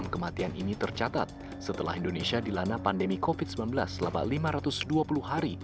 seratus enam ratus tiga puluh enam kematian ini tercatat setelah indonesia dilana pandemi covid sembilan belas selama lima ratus dua puluh hari